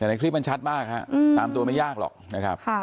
แต่ในคลิปมันชัดมากฮะตามตัวไม่ยากหรอกนะครับ